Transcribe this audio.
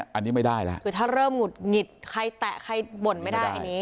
อันนี้ไม่ได้แล้วคือถ้าเริ่มหงุดหงิดใครแตะใครบ่นไม่ได้อันนี้